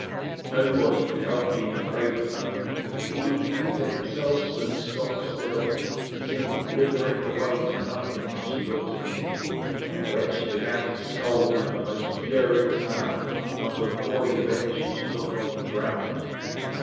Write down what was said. Nobody could help being afraid of her. Even Peter himself stood stock still, and seemed withering away to nothing, when she looked at him; and when she began to scold in her most furious manner, not a boy ventured to look off the ground.